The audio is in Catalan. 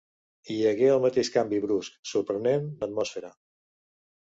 Hi hagué el mateix canvi brusc, sorprenent, d'atmosfera.